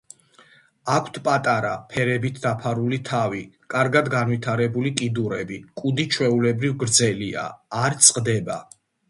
აქვთ პატარა, ფერებით დაფარული თავი, კარგად განვითარებული კიდურები, კუდი ჩვეულებრივ გრძელია, არ წყდება.